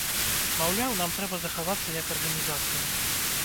Маўляў, нам трэба захавацца як арганізацыям.